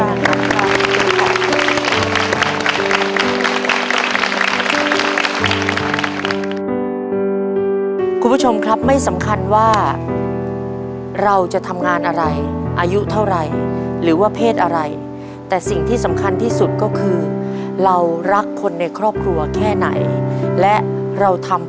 คุณผู้ชมครับไม่สำคัญว่าเราจะทำงานอะไรอายุเท่าไหร่หรือว่าเพศอะไรแต่สิ่งที่สำคัญที่สุดก็คือเรารักคนในครอบครัวแค่ไหนและเราทำ